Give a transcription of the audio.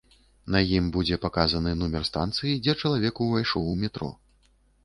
На ім будзе паказаны нумар станцыі, дзе чалавек увайшоў у метро.